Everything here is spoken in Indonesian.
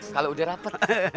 kalau udah rapet